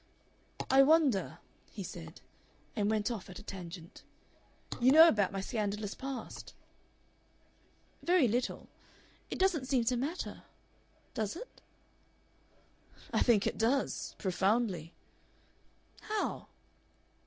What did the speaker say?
"I wonder," he said, and went off at a tangent. "You know about my scandalous past?" "Very little. It doesn't seem to matter. Does it?" "I think it does. Profoundly." "How?"